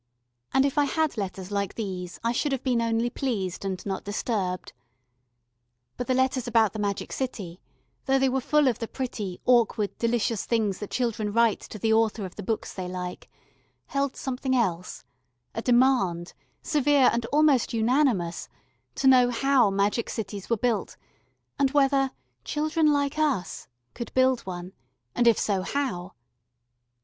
And if I had letters like these I should have been only pleased and not disturbed. But the letters about the Magic City, though they were full of the pretty, awkward, delicious things that children write to the author of the books they like, held something else a demand, severe and almost unanimous, to know how magic cities were built, and whether "children like us" could build one, and, if so, how?